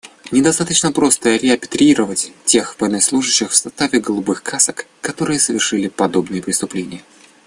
Недостаточно просто репатриировать тех военнослужащих в составе «голубых касок», которые совершили подобные преступления.